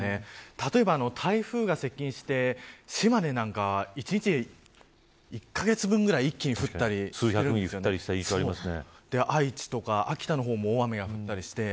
例えば台風が接近して島根なんかは１カ月分くらい一気に降ったり愛知とか秋田の方も大雨が降ったりして。